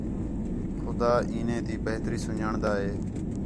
خُدا این٘دے تی بہتری س٘ن٘ڄاݨدا ہے